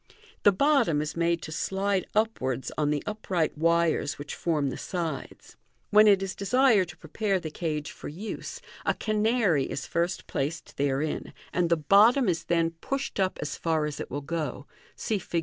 The bottom is made to slide upwards on the upright wires which form the sides. When it is desired to prepare the cage for use, a canary is first placed there 3" MODERN MAGIC. Fig. 148. in, and the bottom is then pushed up as far as it will go (see Fig.